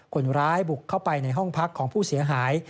คนร้ายบุกเข้าไปในห้องพักของผู้เสียหาย